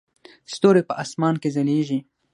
ستوري په اسمان کې ځلیږي